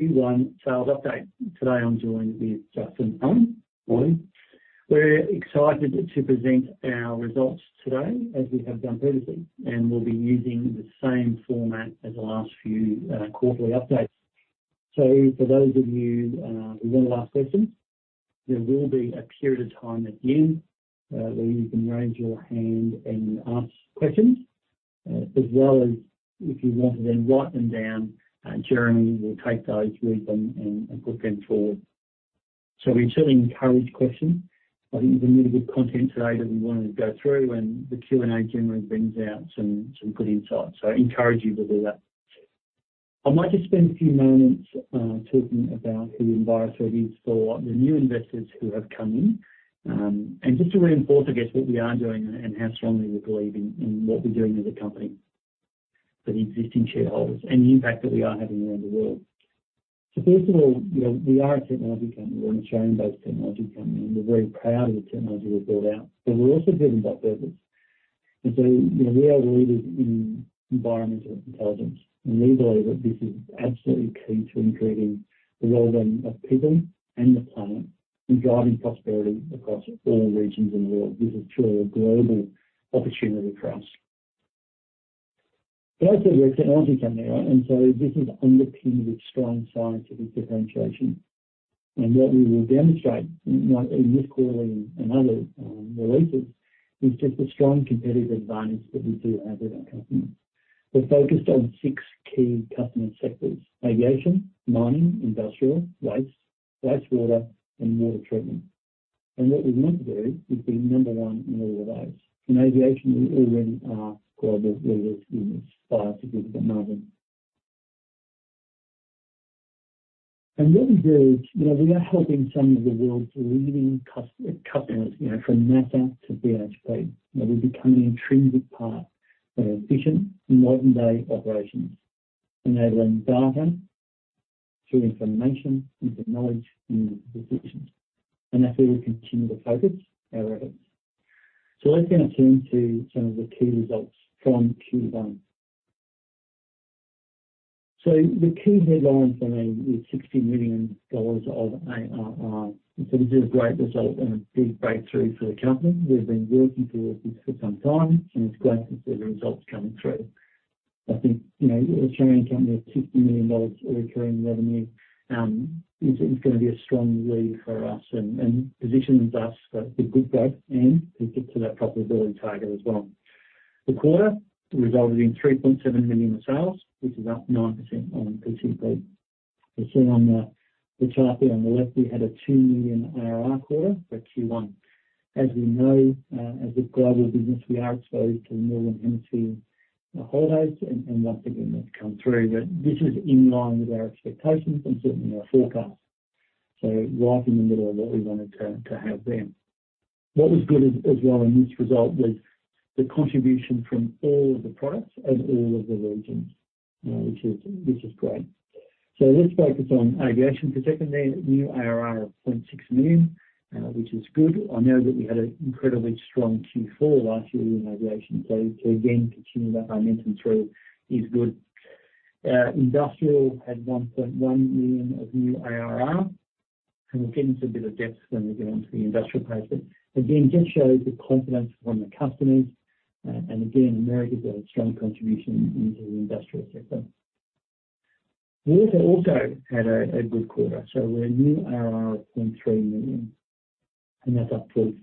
Q1 sales update. Today, I'm joined with Justin Owen. Morning. We're excited to present our results today, as we have done previously, and we'll be using the same format as the last few quarterly updates. So for those of you who were on last session, there will be a period of time at the end where you can raise your hand and ask questions, as well as if you want to then write them down, and Jeremy will take those, read them, and put them forward. So we totally encourage questions. I think there's a little good content today that we wanted to go through, and the Q&A generally brings out some good insights, so I encourage you to do that. I might just spend a few moments talking about who Envirosuite is for the new investors who have come in, and just to reinforce, I guess, what we are doing and how strongly we believe in what we're doing as a company, for the existing shareholders and the impact that we are having around the world. So first of all, you know, we are a technology company, we're an Australian-based technology company, and we're very proud of the technology we've built out, but we're also driven by purpose. And so, you know, we are leaders in environmental intelligence, and we believe that this is absolutely key to improving the well-being of people and the planet, and driving prosperity across all regions in the world. This is truly a global opportunity for us. But also, we're a technology company, and so this is underpinned with strong scientific differentiation. And what we will demonstrate, not in this quarterly and other releases, is just the strong competitive advantage that we do have as a company. We're focused on six key customer sectors: aviation, mining, industrial, waste, wastewater, and water treatment. And what we want to do is be number one in all of those. In aviation, we already are global leaders in this space by a significant margin. And what we do, you know, we are helping some of the world's leading customers, you know, from NASA to BHP, and we've become an intrinsic part of efficient modern-day operations, enabling data through information into knowledge and decisions. And that's where we continue to focus our efforts. So let's now turn to some of the key results from Q1. So the key headline for me is 60 million dollars of ARR. So this is a great result and a big breakthrough for the company. We've been working towards this for some time, and it's great to see the results coming through. I think, you know, an Australian company with 60 million dollars of recurring revenue, is, is gonna be a strong lead for us and, and positions us for the good growth and to get to that profitability target as well. The quarter resulted in 3.7 million in sales, which is up 9% on PCP. You'll see on the chart there on the left, we had a 2 million ARR quarter for Q1. As you know, as a global business, we are exposed to the northern hemisphere holidays and one thing that's come through, but this is in line with our expectations and certainly our forecast. So right in the middle of what we wanted to have there. What was good as well in this result was the contribution from all of the products and all of the regions, which is great. So let's focus on aviation for a second there. New ARR of 0.6 million, which is good. I know that we had an incredibly strong Q4 last year in aviation, so to again continue that momentum through is good. Industrial had 1.1 million of new ARR, and we'll get into a bit of depth when we get onto the industrial part. But again, just shows the confidence from the customers, and again, Americas had a strong contribution into the industrial sector. Water also had a good quarter, so a new ARR of 0.3 million, and that's up 5%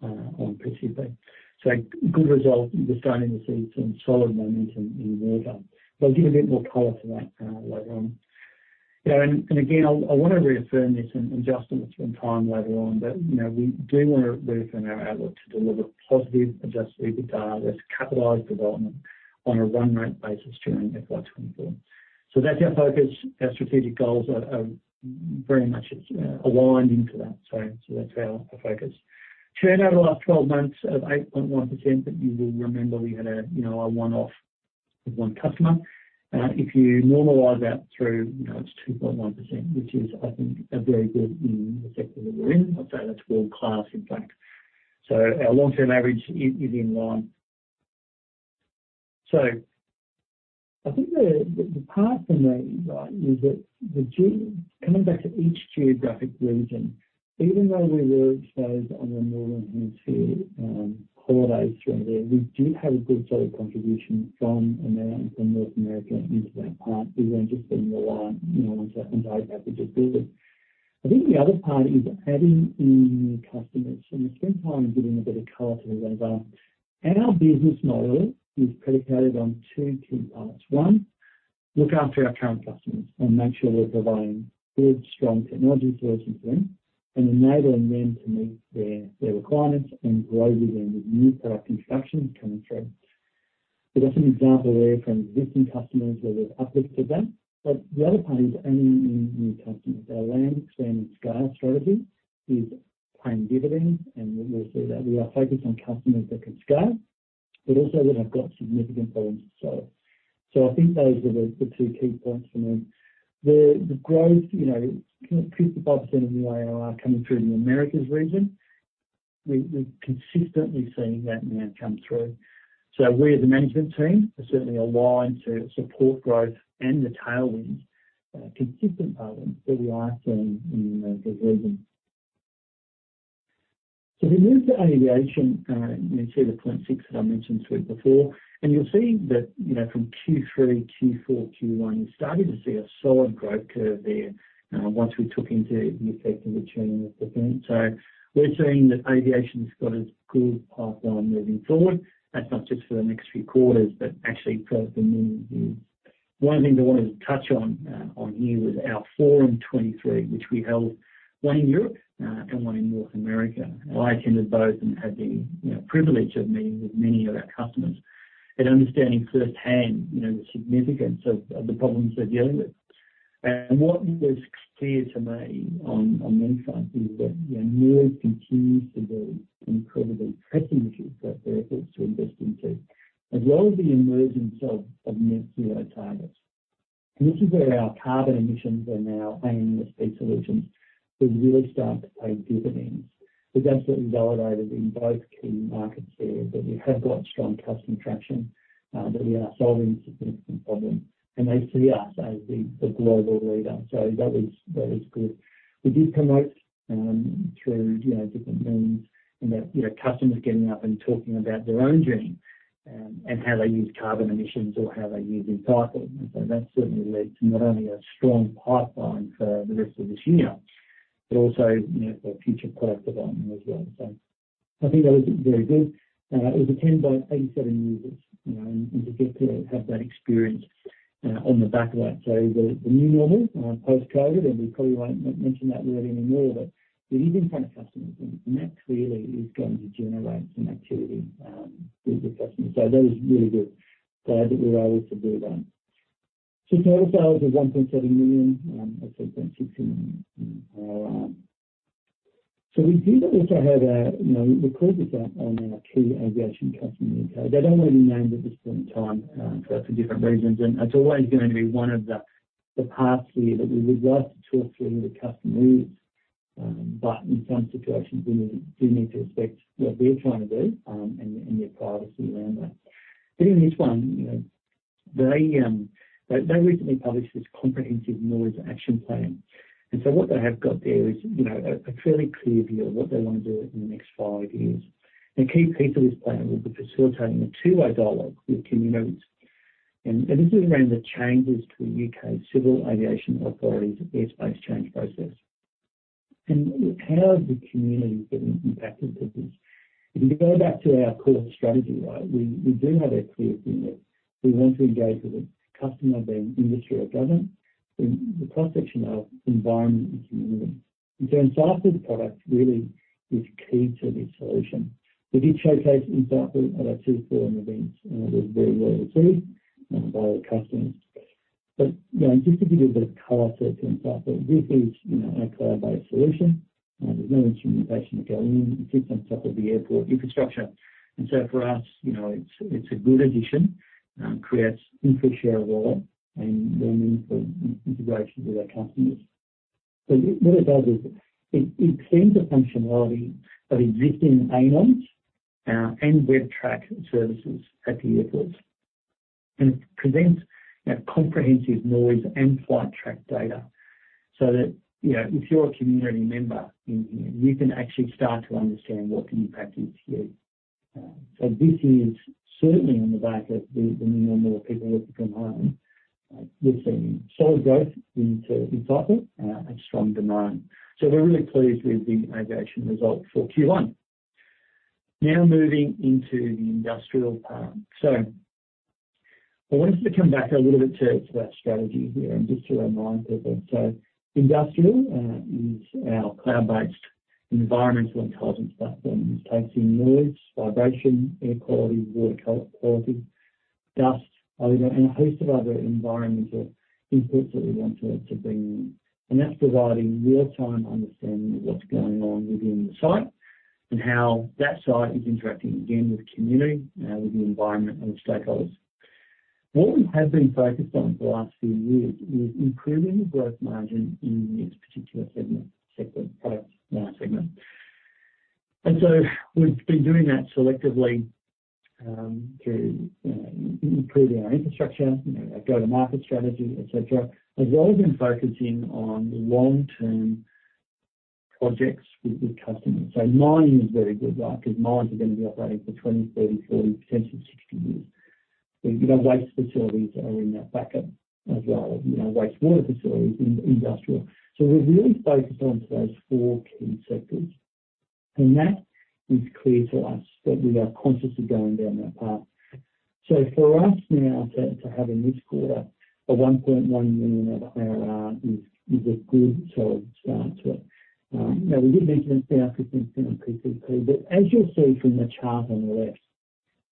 on PCP. So good result, we're starting to see some solid momentum in water. We'll get a bit more color to that later on. You know, and again, I want to reaffirm this and Justin will spend time later on, but you know, we do want to reaffirm our outlook to deliver positive adjusted EBITDA that's capitalized development on a run-rate basis during FY 2024. So that's our focus. Our strategic goals are very much aligned into that, so that's our focus. Turnover the last twelve months of 8.1%, but you will remember we had a, you know, a one-off with one customer. If you normalize that through, you know, it's 2.1%, which is, I think, a very good in the sector that we're in. I'd say that's world-class, in fact. So our long-term average is, is in line. So I think the, the, the part for me, right, is that coming back to each geographic region, even though we were exposed on the northern hemisphere holidays through there, we do have a good solid contribution from America, from North America into that part. We were interested in the line, you know, on that, on day that we just delivered. I think the other part is adding in new customers, and we'll spend time giving a bit of color to that as well. Our business model is predicated on two key parts. One, look after our current customers and make sure we're providing good, strong technology solutions to them and enabling them to meet their, their requirements and grow with them as new product introductions coming through. So that's an example there from existing customers where there's uplift to them, but the other part is adding in new customers. Our Land, Expand and Scale strategy is paying dividends, and we'll see that. We are focused on customers that can scale, but also that have got significant volumes to sell. So I think those are the, the two key points for me. The, the growth, you know, 55% of new ARR coming through the Americas region-... We've consistently seen that now come through. So we as a management team are certainly aligned to support growth and the tailwinds, consistent patterns that we are seeing in the region. So if you move to aviation, you see the 0.6 that I mentioned to you before, and you'll see that, you know, from Q3, Q4, Q1, you're starting to see a solid growth curve there, once we took into the effect of returning with the event. So we're seeing that aviation's got a good pipeline moving forward, that's not just for the next few quarters, but actually for the medium view. One thing I wanted to touch on here was our Forum 23, which we held, one in Europe, and one in North America. I attended both and had the, you know, privilege of meeting with many of our customers and understanding firsthand, you know, the significance of, of the problems they're dealing with. What was clear to me on, on many fronts is that, you know, noise continues to be incredibly pressing issue for efforts to invest into, as well as the emergence of, of new CO targets. This is where our carbon emissions are now aiming the speed solutions to really start to pay dividends. We've absolutely validated in both key markets there, that we have got strong customer traction, you know, that we are solving significant problems, and they see us as the, the global leader. That was, that was good. We did promote, through, you know, different means, and that, you know, customers getting up and talking about their own journey, and how they use carbon emissions or how they use insights. So that certainly led to not only a strong pipeline for the rest of this year, but also, you know, for future product development as well. I think that was very good. It was attended by 87 users, you know, and to get to have that experience, on the back of that. So the new normal, post-COVID, and we probably won't mention that word anymore, but we're even in front of customers, and that clearly is going to generate some activity, with the customers. So that was really good. Glad that we were able to do that. So total sales of 1.7 million. I said 0.6 million. So we did also have a, you know, we reported that on our key aviation customer meeting. So they don't want to be named at this point in time, for different reasons, and it's always going to be one of the paths here that we would like to talk through the customers, but in some situations, we need, we do need to respect what they're trying to do, and their privacy around that. But in this one, you know, they, they recently published this comprehensive noise action plan. And so what they have got there is, you know, a fairly clear view of what they want to do in the next five years. The key piece of this plan will be facilitating a two-way dialogue with communities, and this is around the changes to the UK Civil Aviation Authority's airspace change process. How is the community getting impacted with this? If you go back to our core strategy, right, we do have a clear view that we want to engage with the customer, being industry or government, in the cross-section of environment and community. In terms of Insight product, really is key to this solution. We did showcase Insight at our two forum events, and it was very well received by the customers. But, you know, just to give you a bit of color search inside, this is, you know, a cloud-based solution. There's no instrumentation to go in. It sits on top of the airport infrastructure. For us, you know, it's a good addition, creates increased share of wallet and learning for integration with our customers. So what it does is, it extends the functionality that exists in the ANOMS, and WebTrak services at the airports, and it presents a comprehensive noise and flight track data, so that, you know, if you're a community member in here, you can actually start to understand what the impact is to you. So this is certainly on the back of the new normal, people working from home. We've seen solid growth into EnSight and a strong demand. So we're really pleased with the aviation results for Q1. Now moving into the industrial part. So I wanted to come back a little bit to our strategy here and just to remind people. So industrial is our cloud-based environmental intelligence platform. It takes in noise, vibration, air quality, water quality, dust, odor, and a host of other environmental inputs that we want to bring in. And that's providing real-time understanding of what's going on within the site and how that site is interacting again with the community, with the environment and the stakeholders. What we have been focused on for the last few years is improving the gross margin in this particular segment, product segment. And so we've been doing that selectively to improving our infrastructure, you know, our go-to-market strategy, et cetera, as well as been focusing on the long-term projects with the customers. So mining is a very good one, because mines are going to be operating for 20, 30, 40, potentially 60 years. We've got waste facilities that are in that bucket as well, you know, wastewater facilities in industrial. So we're really focused on those four key sectors, and that is clear to us that we are consciously going down that path. So for us now, to have in this quarter, 1.1 million of ARR is a good solid start to it. Now we did mention it down 15% PCP, but as you'll see from the chart on the left,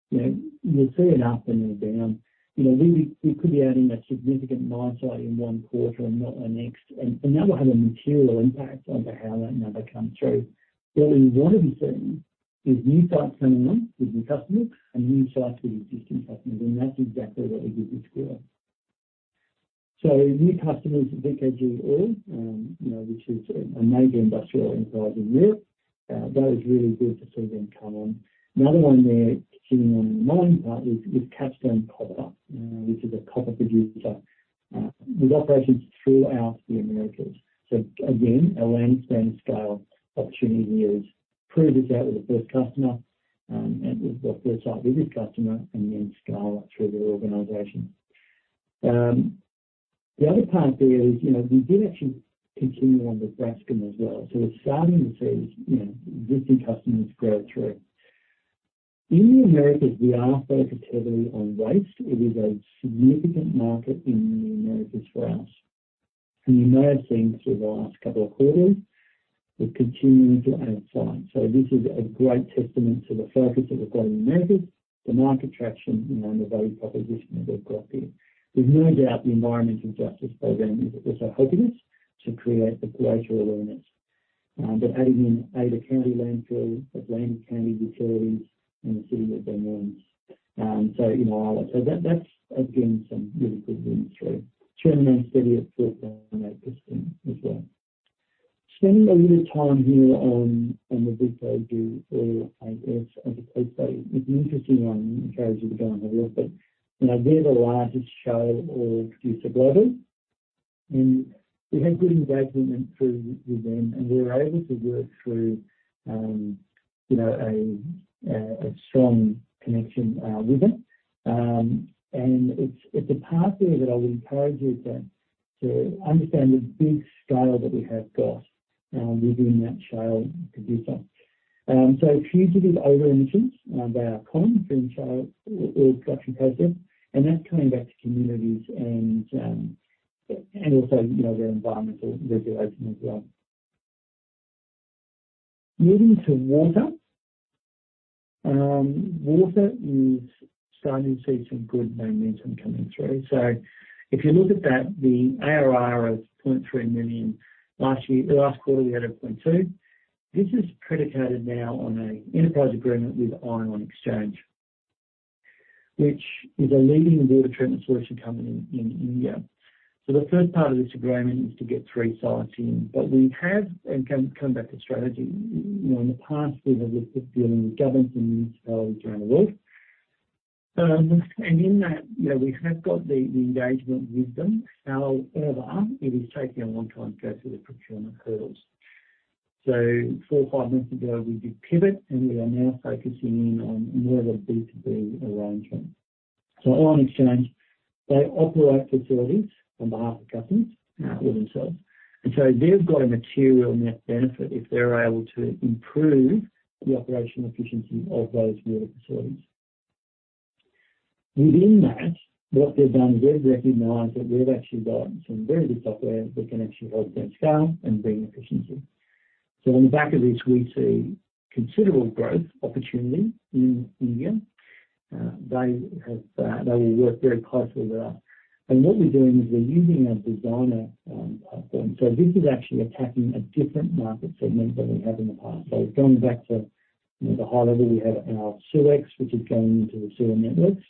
you know, you'll see it up and then down. You know, we could be adding a significant mine site in one quarter and not the next, and that will have a material impact on to how that number comes through. What we want to be seeing is new sites coming on with new customers and new sites with existing customers, and that's exactly what we did this quarter. So new customers at VKG Oil, you know, which is a major industrial enterprise in India. That is really good to see them come on. Another one they're continuing on the mining part is Capstone Copper. This is a copper producer with operations throughout the Americas. So again, a Land, Expand and Scale opportunity is to prove this out with the first customer, and with the first site with this customer, and then scale up through their organization. The other part there is, you know, we did actually continue on with Braskem as well. So we're starting to see, you know, existing customers grow through. In the Americas, we are focused heavily on waste. It is a significant market in the Americas for us. You may have seen through the last couple of quarters, we're continuing to add signs. This is a great testament to the focus that we've got in the Americas, the market traction, you know, and the value proposition that we've got there. There's no doubt the Environmental Justice program is helping us to create the greater awareness. But adding in Ada County Landfill, Atlantic County Utilities, and the City of New Orleans. You know, so that's again, some really good wins through. Turning around steady at 4.8 as well. Spending a little time here on the VKG Oil, I guess, as I say, it's an interesting one, encourage you to go and have a look. But, you know, they're the largest shale oil producer globally, and we have good engagement through with them, and we're able to work through, you know, a strong connection with them. And it's, it's a part there that I would encourage you to, to understand the big scale that we have got within that shale producer. So fugitive emissions, they are common in shale oil production process, and that's coming back to communities and, and also, you know, their environmental regulation as well. Moving to water. Water is starting to see some good momentum coming through. So if you look at that, the ARR of 0.3 million last year, last quarter, we had 0.2. This is predicated now on an enterprise agreement with Ion Exchange, which is a leading water treatment solution company in India. So the first part of this agreement is to get 3 sites in. But we have, and coming back to strategy, you know, in the past, we've been dealing with governments and municipalities around the world. And in that, you know, we have got the engagement with them. However, it is taking a long time to go through the procurement hurdles. So 4 or 5 months ago, we did pivot, and we are now focusing in on more of a B2B arrangement. So Ion Exchange, they operate facilities on behalf of customers, or themselves, and so they've got a material net benefit if they're able to improve the operational efficiency of those water facilities. Within that, what they've done, they've recognized that we've actually got some very good software that can actually help them scale and bring efficiency. So on the back of this, we see considerable growth opportunity in India. They have, they will work very closely with us. And what we're doing is we're using our Designer platform. So this is actually attacking a different market segment than we have in the past. So going back to, you know, the high level, we have our SeweX, which is going into the sewer networks.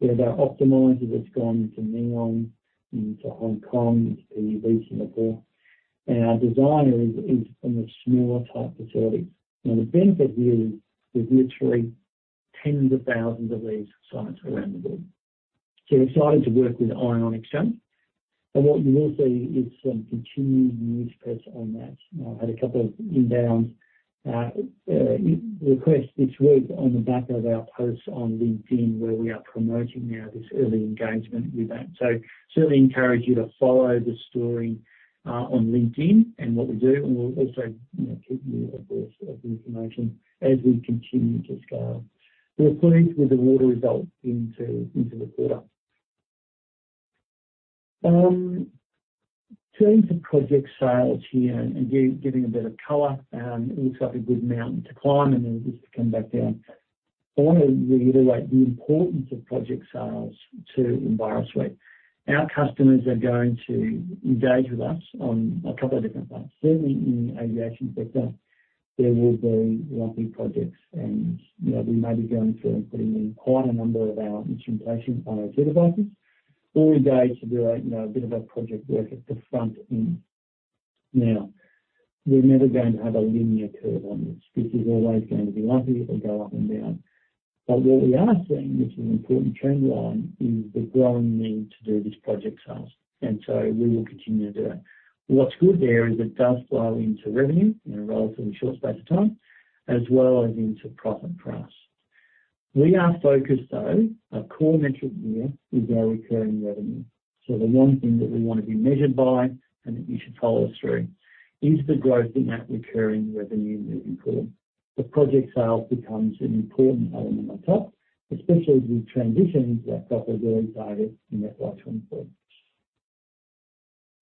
We have our Optimizer that's gone into New Orleans, into Hong Kong, the recent report, and our Designer is on the smaller type facilities. Now, the benefit here is there's literally tens of thousands of these sites around the world. So we're excited to work with Ion Exchange, and what you will see is some continued news press on that. I've had a couple of inbounds, requests this week on the back of our posts on LinkedIn, where we are promoting now this early engagement with them. So certainly encourage you to follow the story, on LinkedIn and what we do, and we'll also, you know, keep you abreast of the information as we continue to scale. We're pleased with the water results into the quarter. Turning to project sales here and again, giving a bit of color, it looks like a good mountain to climb, and then just to come back down. I want to reiterate the importance of project sales to Envirosuite. Our customers are going to engage with us on a couple of different parts. Certainly, in the aviation sector, there will be lumpy projects and, you know, we may be going through and putting in quite a number of our instrumentation IO devices or engage to do a, you know, a bit of a project work at the front end. Now, we're never going to have a linear curve on this. This is always going to be lumpy, it will go up and down. But what we are seeing, which is an important trend line, is the growing need to do these project sales, and so we will continue to do that. What's good there is it does flow into revenue in a relatively short space of time, as well as into profit for us. We are focused, though, our core metric here is our recurring revenue. So the one thing that we want to be measured by, and that you should follow us through, is the growth in that recurring revenue is important. The project sales becomes an important element on top, especially as we transition into that proper growth phase in that 2024.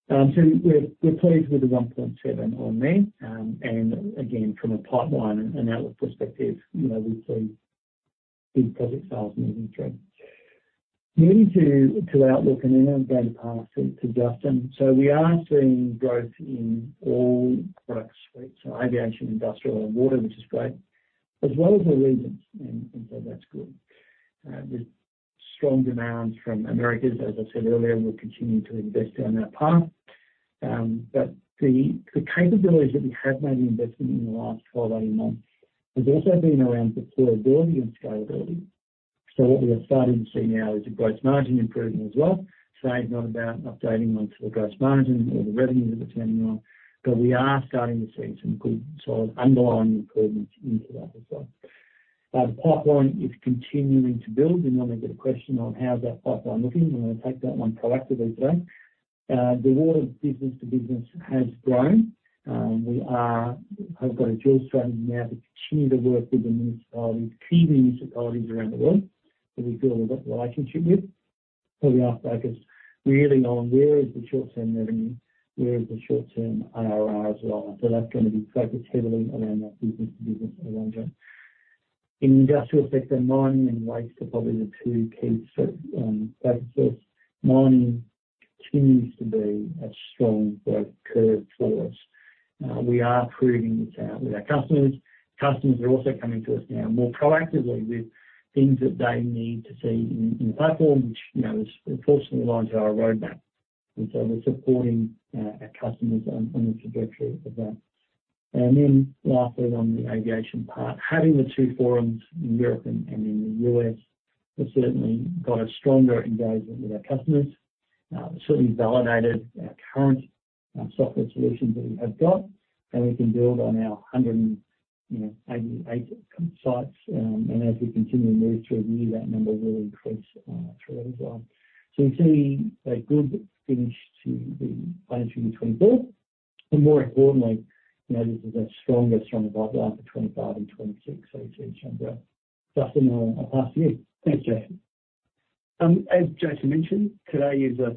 So we're pleased with the 1.7 on there, and again, from a pipeline and outlook perspective, you know, we see big project sales moving through. Moving to outlook, and then I'm going to pass to Justin. So we are seeing growth in all product suites, so aviation, industrial, and water, which is great. As well as the regions, and so that's good. There's strong demands from Americas, as I said earlier, and we're continuing to invest down that path. But the capabilities that we have made an investment in the last 12, 18 months has also been around the durability and scalability. So what we are starting to see now is the gross margin improving as well. Today is not about updating on to the gross margin or the revenues that we're turning on, but we are starting to see some good sort of underlying improvements into that as well. The pipeline is continuing to build. We normally get a question on how's our pipeline looking, I'm gonna take that one proactively today. The order business to business has grown, we are, I've got a drill strategy now to continue to work with the municipalities, key municipalities around the world that we feel we've got the relationship with. So we are focused really on where is the short-term revenue, where is the short-term ARR as well? So that's gonna be focused heavily around that business to business in the long run. In the industrial sector, mining and waste are probably the two key set, focuses. Mining continues to be a strong growth curve for us. We are proving this out with our customers. Customers are also coming to us now more proactively with things that they need to see in, in the platform, which, you know, is fortunately aligned to our roadmap, and so we're supporting, our customers on, on the trajectory of that. And then lastly, on the aviation part, having the two forums in Europe and in the U.S., has certainly got a stronger engagement with our customers. Certainly validated our current software solutions that we have got, and we can build on our 188 sites. And as we continue to move through the year, that number will increase through as well. So we're seeing a good finish to the financial 2024, and more importantly, you know, this is a stronger, stronger pipeline for 2025 and 2026. So we've seen some growth. Justin, I'll pass to you. Thanks, Jason. As Jason mentioned, today is a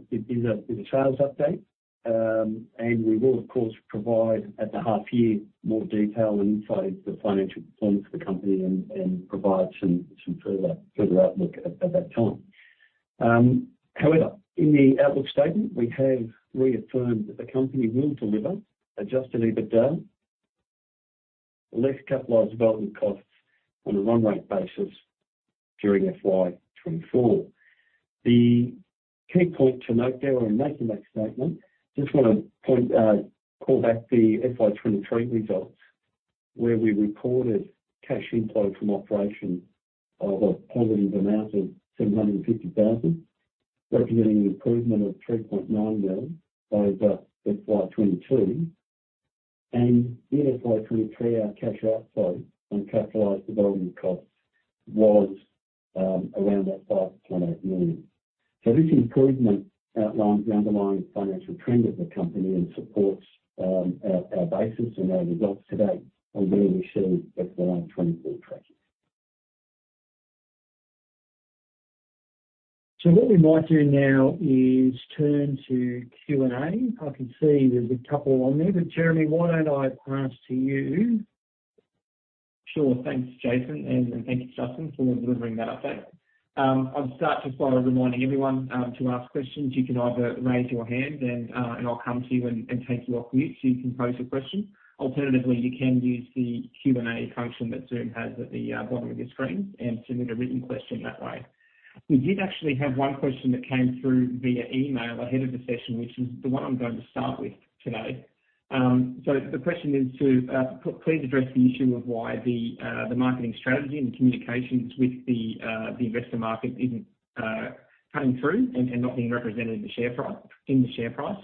sales update, and we will, of course, provide at the half year, more detail and insight into the financial performance of the company and provide some further outlook at that time. However, in the outlook statement, we have reaffirmed that the company will deliver adjusted EBITDA, less capitalized development costs on a run-rate basis during FY 2024. The key point to note there when making that statement, just want to point, call back the FY 2023 results, where we recorded cash inflow from operation of a positive amount of 750,000, representing an improvement of 3.9 million over FY 2022. And in FY 2023, our cash outflow on capitalized development costs was around that 5.8 million. So this improvement outlines the underlying financial trend of the company and supports our basis and our results today on where we see the FY 2024 tracking. So what we might do now is turn to Q&A. I can see there's a couple on there, but Jeremy, why don't I pass to you? Sure. Thanks, Jason, and thank you, Justin, for delivering that update. I'll start just by reminding everyone to ask questions. You can either raise your hand and I'll come to you and take you off mute, so you can pose a question. Alternatively, you can use the Q&A function that Zoom has at the bottom of your screen and submit a written question that way. We did actually have one question that came through via email ahead of the session, which is the one I'm going to start with today. So the question is to please address the issue of why the marketing strategy and communications with the investor market isn't coming through and not being represented in the share price, in the share price.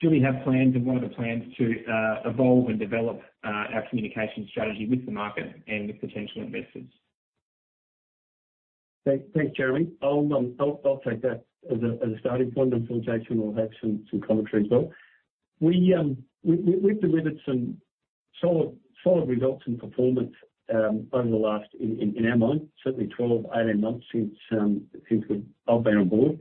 Do we have plans, and what are the plans to evolve and develop our communication strategy with the market and with potential investors? Thanks, Jeremy. I'll take that as a starting point, and then Jason will have some commentary as well. We we've delivered some solid results and performance over the last, in our mind, certainly 12, 18 months since I've been on board.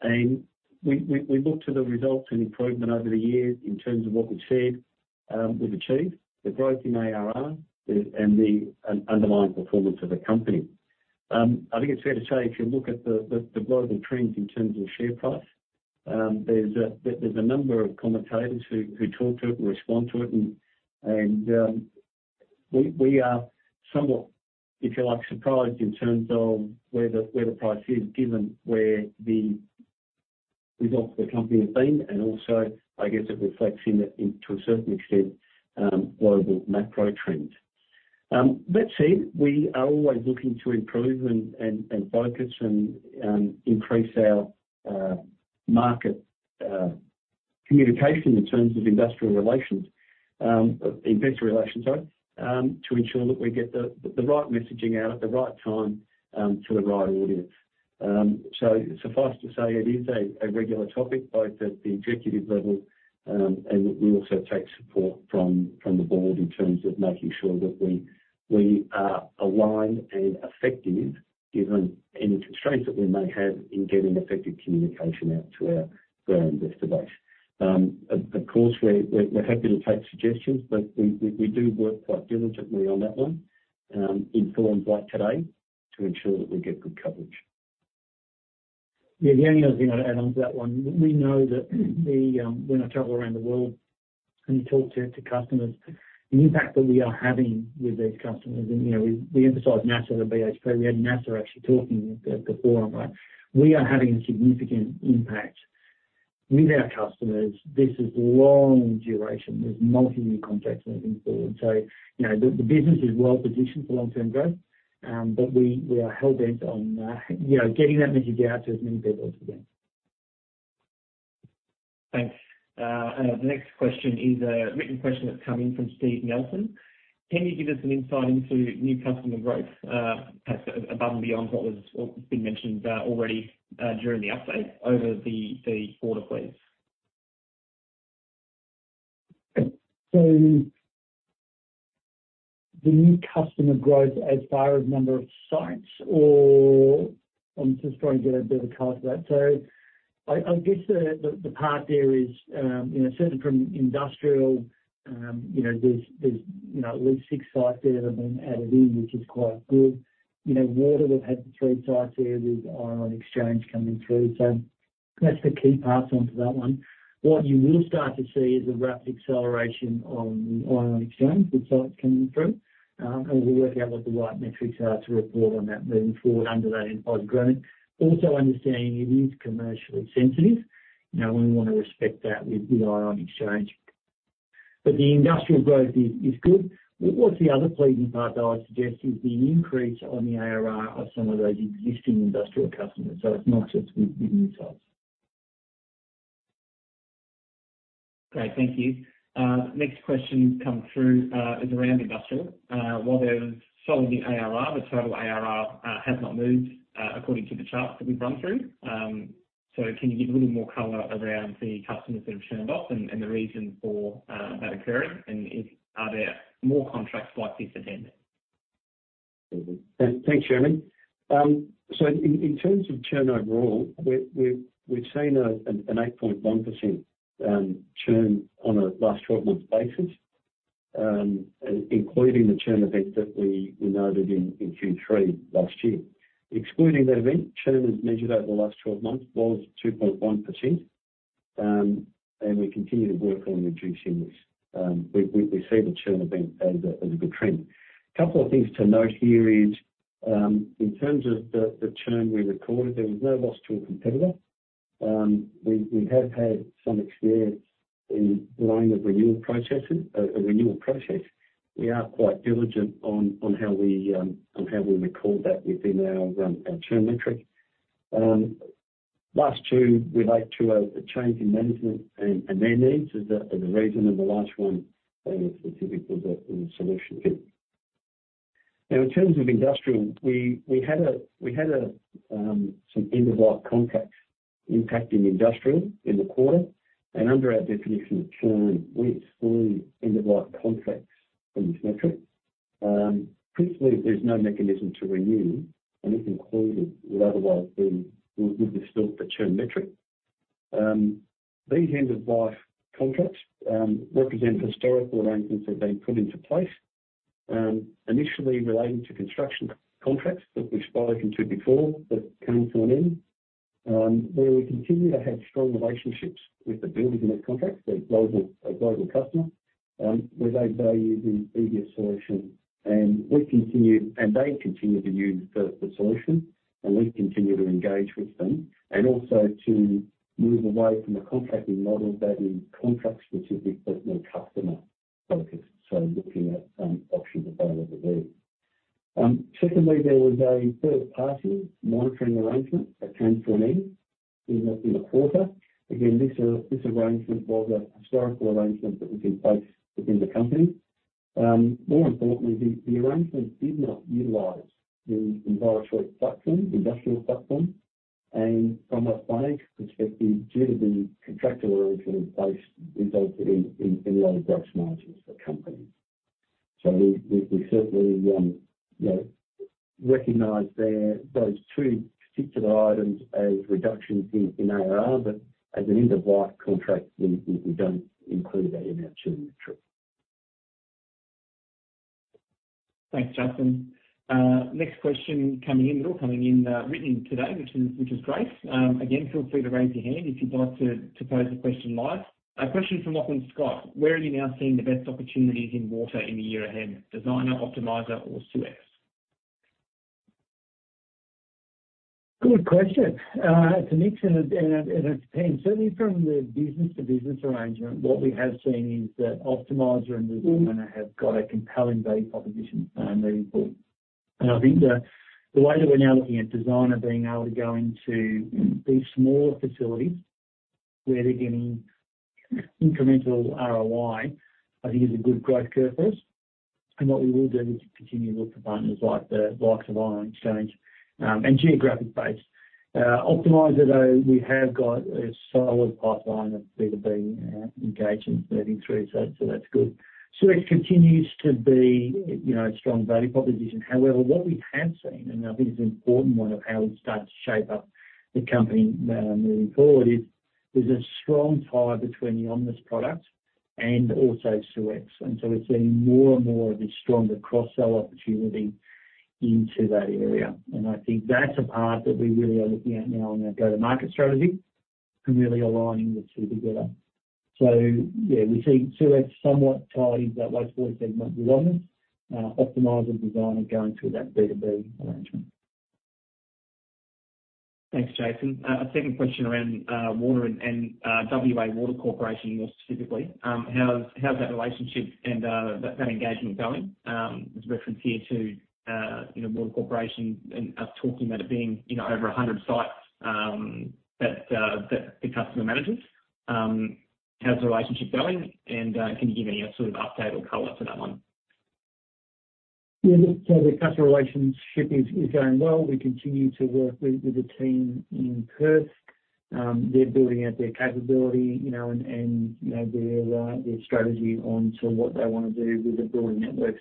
And we look to the results and improvement over the years in terms of what we've said we've achieved, the growth in ARR, and the underlying performance of the company. I think it's fair to say if you look at the global trends in terms of share price, there's a number of commentators who talk to it, and respond to it, and we are somewhat, if you like, surprised in terms of where the price is, given where the results of the company have been. And also, I guess it reflects in it into a certain extent, global macro trends. That said, we are always looking to improve and focus and increase our market communication in terms of industrial relations, investor relations sorry, to ensure that we get the right messaging out at the right time to the right audience. So suffice to say, it is a regular topic both at the executive level, and we also take support from the board in terms of making sure that we are aligned and effective, given any constraints that we may have in getting effective communication out to our investor base. Of course, we're happy to take suggestions, but we do work quite diligently on that one, informed by today, to ensure that we get good coverage. Yeah, the only other thing I'd add on to that one, we know that the, when I travel around the world and talk to, to customers, the impact that we are having with these customers, and, you know, we, we emphasize NASA, the BHP. We had NASA actually talking at the forum, right? We are having a significant impact with our customers. This is long duration. There's multi-year contracts moving forward. So, you know, the, the business is well positioned for long-term growth, but we, we are hell-bent on, you know, getting that message out to as many people as we can. Thanks. The next question is a written question that's come in from Steve Nelson: Can you give us some insight into new customer growth, perhaps above and beyond what was, what's been mentioned, already, during the update over the quarter, please? So the new customer growth as far as number of sites, or I'm just trying to get a bit of a cast of that. So I guess the part there is, you know, certainly from industrial, you know, there's you know, at least six sites there that have been added in, which is quite good. You know, water, we've had three sites there with Ion Exchange coming through. So that's the key parts onto that one. What you will start to see is a rapid acceleration on the Ion Exchange, with sites coming through, and we'll work out what the right metrics are to report on that moving forward under that environment. Also understanding it is commercially sensitive, you know, and we want to respect that with the Ion Exchange. But the industrial growth is good. What's the other pleasing part, though, I suggest, is the increase on the ARR of some of those existing industrial customers, so it's not just with new sites. Great, thank you. Next question come through, is around industrial. While there's solid, the ARR, the total ARR, has not moved, according to the charts that we've run through. So can you give a little more color around the customers that have churned off and, and the reason for, that occurring, and are there more contracts like this ahead? Thanks, Jeremy. So in terms of churn overall, we've seen an 8.1% churn on a last twelve months basis, and including the churn event that we noted in Q3 last year. Excluding that event, churn as measured over the last twelve months was 2.1%, and we continue to work on reducing this. We see the churn event as a good trend. Couple of things to note here is, in terms of the churn we recorded, there was no loss to a competitor. We have had some experience in line of renewal processes, a renewal process. We are quite diligent on how we record that within our churn metric. Last two relate to a change in management and their needs is the reason, and the last one is specifically the solution fit. Now, in terms of industrial, we had some end-of-life contracts impacting industrial in the quarter, and under our definition of churn, we exclude end-of-life contracts from this metric. Principally, there's no mechanism to renew, and if included, would otherwise been would distort the churn metric. These end-of-life contracts represent historical arrangements that have been put into place, initially relating to construction contracts that we've spoken to before, that came to an end. Where we continue to have strong relationships with the builders in those contracts, a global customer, where they value the previous solution, and we continue, and they continue to use the solution, and we continue to engage with them. Also to move away from the contracting model that is contract specific, but not customer focused, so looking at some options available there. Secondly, there was a third-party monitoring arrangement that came to an end in the quarter. Again, this arrangement was a historical arrangement that was in place within the company. More importantly, the arrangement did not utilize the environmental platform, industrial platform, and from a finance perspective, due to the contractual arrangement based, resulted in lower gross margins for companies. So we certainly, you know, recognize those two particular items as reductions in ARR, but as an end-of-life contract, we don't include that in our churn metric. Thanks, Justin. Next question coming in, all coming in written in today, which is great. Again, feel free to raise your hand if you'd like to pose a question live. A question from Lachlan Scott: Where are you now seeing the best opportunities in water in the year ahead, Designer, Optimizer, or SeweX? Good question. It's a mix and it depends. Certainly from the business-to-business arrangement, what we have seen is that Optimizer and Designer have got a compelling value proposition, moving forward. And I think the way that we're now looking at Designer being able to go into these smaller facilities where they're getting incremental ROI, I think is a good growth curve for us. And what we will do is continue to look for partners like the likes of Ion Exchange, and geographic base. Optimizer, though, we have got a solid pipeline of B2B engagement moving through, so that's good. SeweX continues to be, you know, a strong value proposition. However, what we have seen, and I think it's an important one of how we start to shape up the company, moving forward, is there's a strong tie between the Omnis product and also SeweX. And so we're seeing more and more of this stronger cross-sell opportunity into that area. And I think that's a part that we really are looking at now in our go-to-market strategy, and really aligning the two together. So yeah, we see SeweX somewhat tied, that waste water segment with Optimizer, Designer and going through that B2B arrangement. Thanks, Jason. A second question around water and WA Water Corporation more specifically. How's that relationship and that engagement going? There's a reference here to you know, Water Corporation and us talking about it being you know, over a hundred sites that the customer manages. How's the relationship going, and can you give any sort of update or color to that one? Yeah, look, so the customer relationship is going well. We continue to work with the team in Perth. They're building out their capability, you know, and you know, their strategy on to what they want to do with the broader network.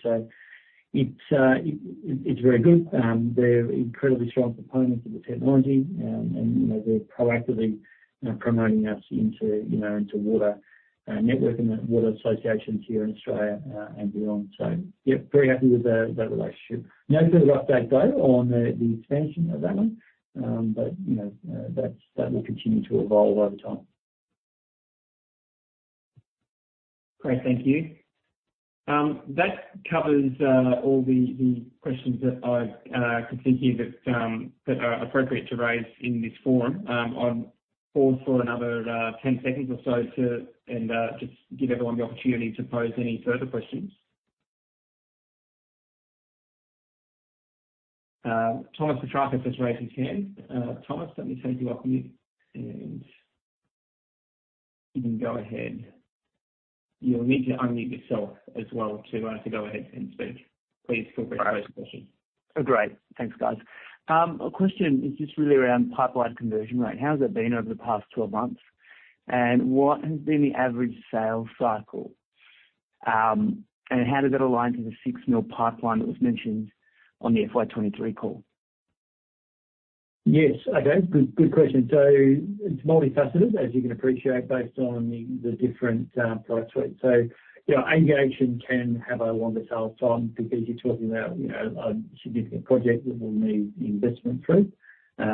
So it's very good. They're incredibly strong proponents of the technology, and, you know, they're proactively, you know, promoting us into, you know, into water network and water associations here in Australia, and beyond. So, yeah, very happy with that relationship. No further update, though, on the expansion of that one. But, you know, that will continue to evolve over time. Great, thank you. That covers all the questions that I could think of that are appropriate to raise in this forum. I'll pause for another 10 seconds or so to just give everyone the opportunity to pose any further questions. Thomas Petrakis just raised his hand. Thomas, let me turn you up mute, and you can go ahead. You'll need to unmute yourself as well to go ahead and speak. Please feel free to ask the question. Oh, great. Thanks, guys. A question is just really around pipeline conversion rate. How has that been over the past 12 months? And what has been the average sales cycle, and how does that align to the 6 million pipeline that was mentioned on the FY 2023 call? Yes, okay. Good, good question. So it's multifaceted, as you can appreciate, based on the different product suites. So, you know, aviation can have a longer sales time because you're talking about, you know, a significant project that will need investment through.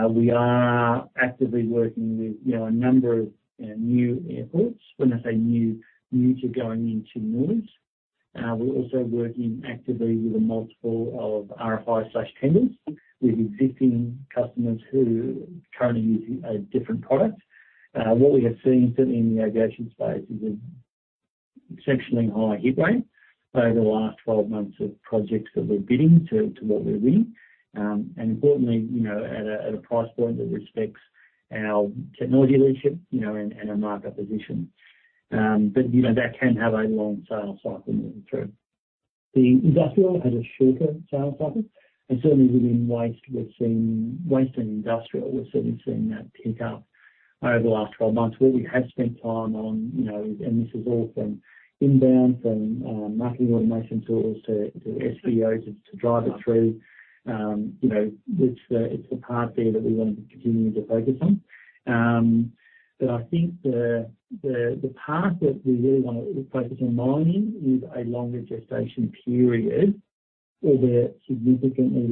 We are actively working with, you know, a number of new airports. When I say new, new to going into news. We're also working actively with a multiple of RFI slash tenders with existing customers who are currently using a different product. What we have seen, certainly in the aviation space, is an exceptionally high hit rate over the last 12 months of projects that we're bidding to what we're winning. And importantly, you know, at a price point that respects our technology leadership, you know, and our market position. But, you know, that can have a long sales cycle moving through. The industrial has a shorter sales cycle, and certainly within waste, we've seen waste and industrial, we've certainly seen that pick up over the last 12 months, where we have spent time on, you know, and this is all from inbound, from marketing automation tools to SEO to drive it through. You know, it's the part there that we wanted to continue to focus on. But I think the part that we really want to focus our mind in is a longer gestation period, where the significantly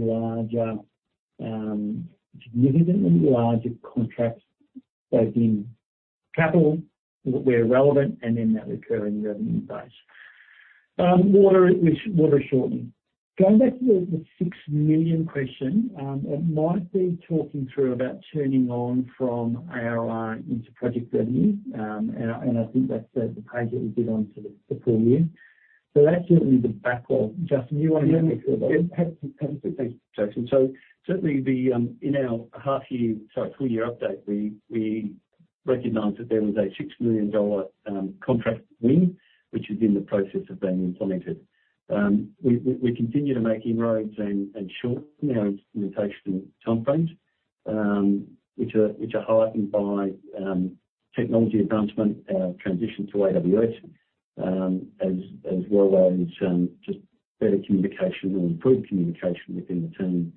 larger contracts, both in capital, where relevant, and in that recurring revenue base. Water, which water is shortening. Going back to the 6 million question, it might be talking through about turning ARR into project revenue, and I think that's the page that we did on to the full year. So that's certainly the backlog. Justin, you want to handle it? Yeah. Happy to, happy to. Thanks, Jason. So certainly the, in our half year... Sorry, full year update, we, we recognized that there was a 6 million dollar contract win, which is in the process of being implemented. We, we, we continue to make inroads and, and shorten our implementation timeframes, which are, which are heightened by, technology advancement, transition to AWS, as, as well as, just better communication or improved communication within the team,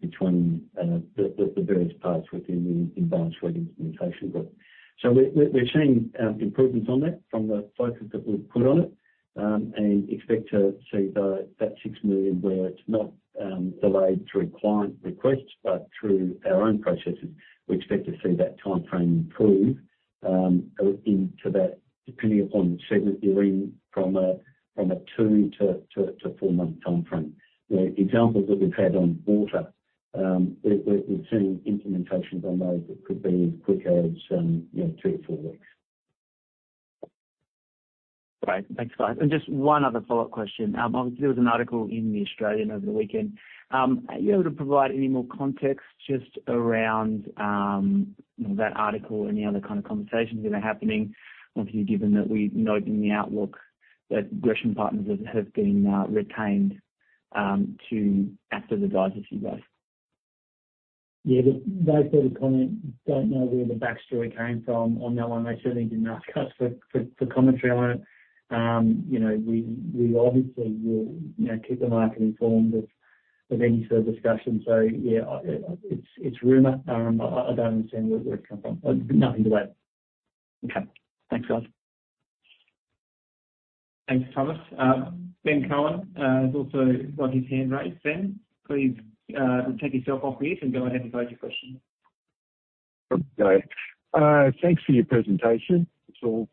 between, the, the, the various parts within the Americas implementation group. So we're, we're seeing, improvements on that from the focus that we've put on it, and expect to see the- that 6 million, where it's not, delayed through client requests, but through our own processes. We expect to see that timeframe improve into that, depending upon the segment you're in, from a 2-4-month timeframe. The examples that we've had on water, we're seeing implementations on those that could be as quick as, you know, 3-4 weeks. Great. Thanks, guys. Just one other follow-up question. Obviously, there was an article in The Australian over the weekend. Are you able to provide any more context just around, you know, that article and any other kind of conversations that are happening? Obviously, given that we note in the outlook that Gresham Partners has, have been, retained, to act as advisors for you guys. Yeah, that sort of comment. Don't know where the backstory came from on that one. They certainly didn't ask us for commentary on it. You know, we obviously will, you know, keep the market informed of any further discussion. So yeah, it's rumor. I don't understand where it comes from, but nothing the way. Okay, thanks, guys. Thanks, Thomas. Ben Cohen has also got his hand raised. Ben, please, take yourself off mute and go ahead and pose your question. Okay. Thanks for your presentation. It's all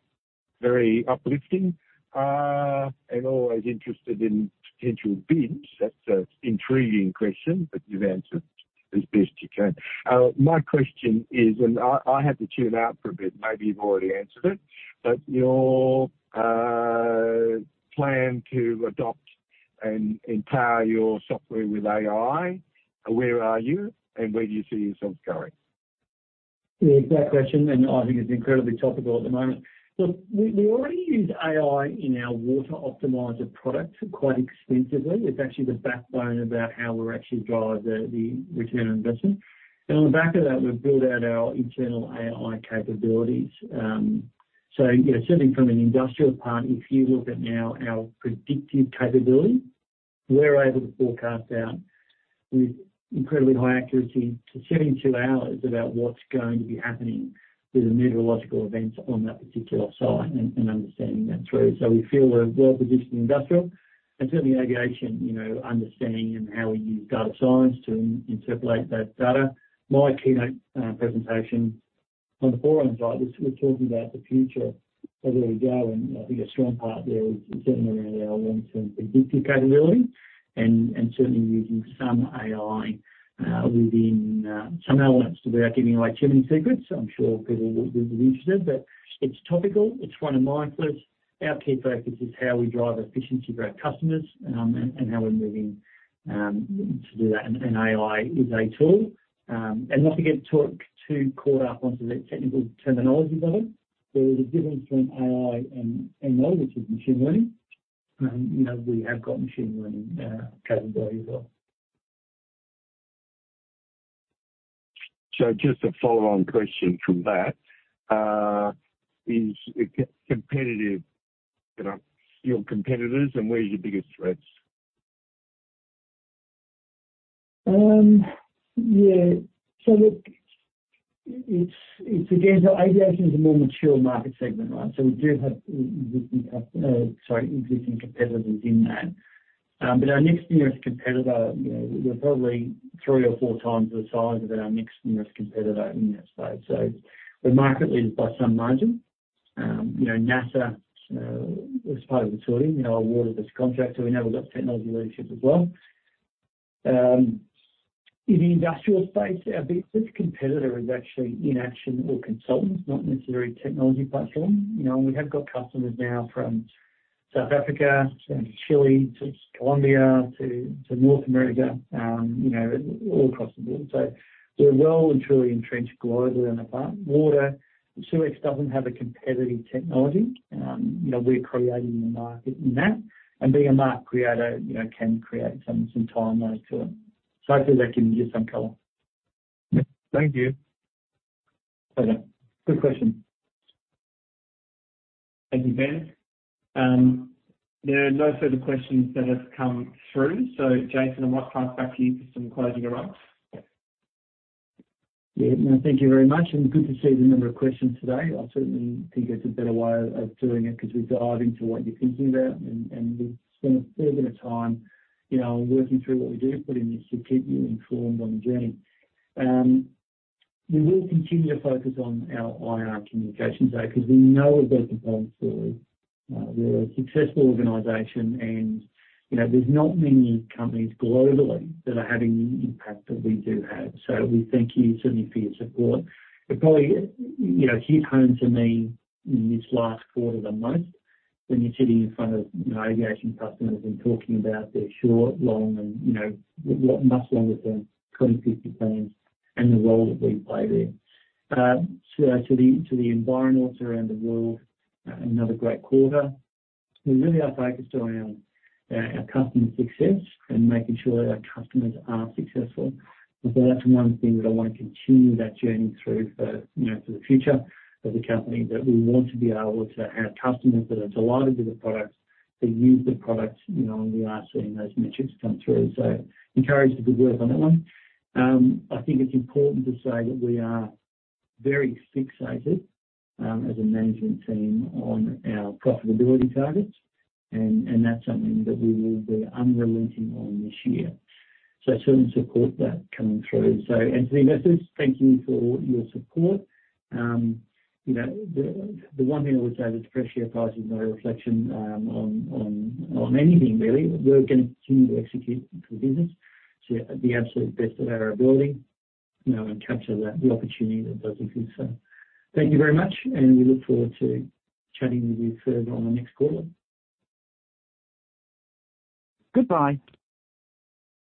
very uplifting, and always interested in potential bids. That's an intriguing question, but you've answered as best you can. My question is, and I had to tune out for a bit, maybe you've already answered it, but your plan to adopt and empower your software with AI, where are you and where do you see yourselves going? Yeah, great question, and I think it's incredibly topical at the moment. Look, we, we already use AI in our water Optimizer product quite extensively. It's actually the backbone about how we actually drive the, the return on investment. And on the back of that, we've built out our internal AI capabilities. So, you know, certainly from an industrial part, if you look at now our predictive capability, we're able to forecast out with incredibly high accuracy to 72 hours about what's going to be happening with the meteorological events on that particular site and, and understanding that through. So we feel we're well-positioned in industrial and certainly aviation, you know, understanding and how we use data science to interpolate that data. My keynote presentation on the forum side, we're talking about the future of where we go, and I think a strong part there is certainly around our wants and predictive capability and certainly using some AI within some elements without giving away too many secrets. I'm sure people will be interested, but it's topical. It's one of my plus. Our key focus is how we drive efficiency for our customers, and how we're moving to do that, and AI is a tool. And not to get too, too caught up onto the technical terminology of it. There is a difference between AI and ML, which is machine learning. You know, we have got machine learning capability as well. So just a follow-on question from that, is competitive, you know, your competitors and where's your biggest threats? Yeah. So look, it's again, so aviation is a more mature market segment, right? So we do have, sorry, existing competitors in that. But our next nearest competitor, you know, we're probably three or four times the size of our next nearest competitor in that space. So we're market leaders by some margin. You know, NASA, as part of the tooling, you know, awarded us a contract, so we know we've got technology leadership as well. In the industrial space, our biggest competitor is actually inaction or consultants, not necessarily technology platform. You know, we have got customers now from South Africa to Chile to Colombia to North America, you know, all across the board. So we're well and truly entrenched globally in that part. Water, Suez doesn't have a competitive technology. You know, we're creating the market in that, and being a market creator, you know, can create some timeline to it. So I feel that can give some color. Yeah. Thank you. Okay. Good question. Thank you, Ben. There are no further questions that have come through. So Jason, I might pass back to you for some closing remarks. Yeah, no, thank you very much, and good to see the number of questions today. I certainly think it's a better way of doing it because we dive into what you're thinking about, and, and we spend a fair bit of time, you know, working through what we do, but it's to keep you informed on the journey. We will continue to focus on our IR communications, because we know of that importance story. We're a successful organization, and, you know, there's not many companies globally that are having the impact that we do have. So we thank you certainly for your support. But probably, you know, hit home for me this last quarter the most when you're sitting in front of, you know, aviation customers and talking about their short, long, and, you know, much longer term, 20, 50 plans and the role that we play there. So to the, to the environments around the world, another great quarter. We really are focused around our customer success and making sure that our customers are successful. So that's one thing that I want to continue that journey through for, you know, for the future of the company. That we want to be able to have customers that are delighted with the products, that use the products, you know, and we are seeing those metrics come through. So encouraged to good work on that one. I think it's important to say that we are very fixated, as a management team on our profitability targets, and, and that's something that we will be unrelenting on this year. So certain support that coming through. So and to the investors, thank you for your support. You know, the one thing I would say that the share price is not a reflection on anything really. We're going to continue to execute the business to the absolute best of our ability, you know, and capture the opportunity that does exist. So thank you very much, and we look forward to chatting with you further on the next call. Goodbye.